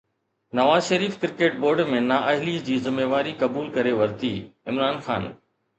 Nawaz Sharif cricket board ۾ نااهلي جي ذميواري قبول ڪري ورتي، عمران خان